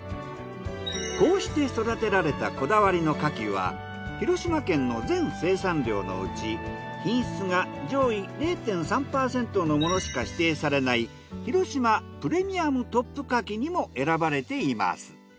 こうして育てられたこだわりの牡蠣は広島県の全生産量のうち品質が上位０．３％のものしか指定されない広島プレミアムトップかきにも選ばれています。